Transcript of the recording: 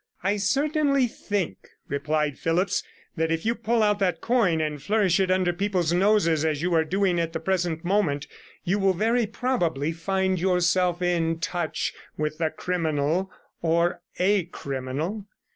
'I certainly think,' replied Phillipps, 'that if you pull out that coin and flourish it under people's noses as you are doing at the present moment, you will very probably find yourself in touch with the criminal, or a criminal.